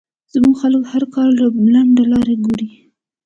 زمونږ خلک هر کار له لنډه لار ګوري